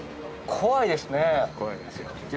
怖いですよ。